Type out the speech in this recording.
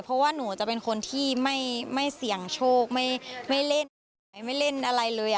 เพราะว่าหนูจะเป็นคนที่ไม่เสี่ยงโชคไม่เล่นอะไรเลย